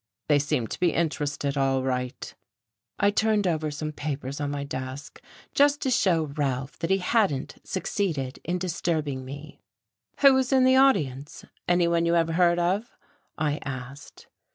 They seemed to be interested, all right." I turned over some papers on my desk, just to show Ralph that he hadn't succeeded in disturbing me. "Who was in the audience? anyone you ever heard of?" I asked.